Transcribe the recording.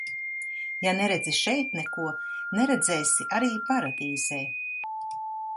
Ja neredzi šeit neko, neredzēsi arī paradīzē.